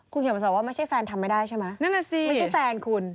คุณเขียนว่าแฟนทำไม่ได้ใช่ไหมนั่นล่ะสิไม่ใช่แฟนคุณ